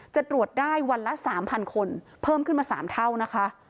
จะตรวจได้วันละ๓๐๐คนเพิ่มขึ้นมา๓เท่านะคะ